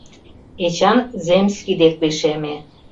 Эчан земский дек лишеме.